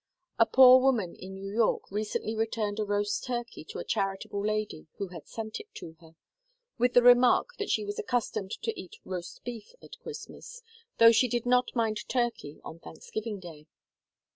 A poor woman in New York recently returned a roast turkey to a charitable lady who had sent it to her, with the remark that she was accustomed to eat roast beef at Christmas, though she 'did not mind turkey on Thanksgiving Day.